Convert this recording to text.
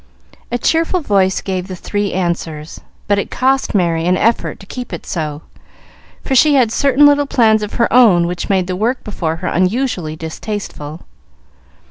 A cheerful voice gave the three answers, but it cost Merry an effort to keep it so, for she had certain little plans of her own which made the work before her unusually distasteful.